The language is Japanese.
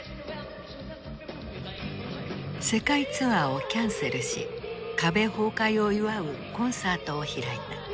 世界ツアーをキャンセルし壁崩壊を祝うコンサートを開いた。